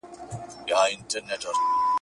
زه لوښي وچولي دي!؟